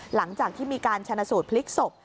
หลังจากที่มีการชนะสูตรพลิกศพ